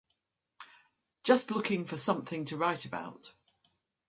Just looking for something to write about.